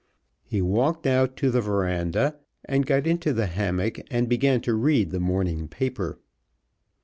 He walked out to the veranda and got into the hammock and began to read the morning paper.